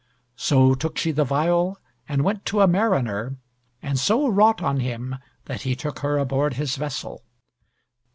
So took she the viol and went to a mariner, and so wrought on him that he took her aboard his vessel.